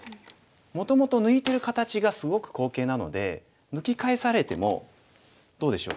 もともと抜いてる形がすごく好形なので抜き返されてもどうでしょう？